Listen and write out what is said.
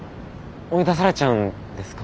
追い出されちゃうんですか？